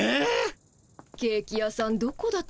ケーキ屋さんどこだったのかしらね。